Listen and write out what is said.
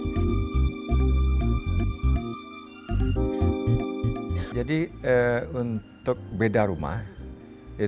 bps kota padang mencatat setidaknya ada satu ratus dua puluh ribu kakak termasuk warga miskin atau setara dua ratus sepuluh jiwa hidup di bawah garis kemiskinan